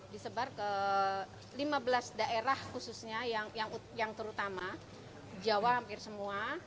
disebar ke lima belas daerah khususnya yang terutama jawa hampir semua